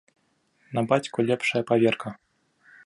На бацьку лепшая паверка.